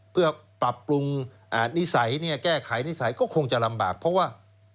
เพื่อปรับปรุงนิสัยแก้ไขนิสัยก็คงจะลำบากเพราะว่า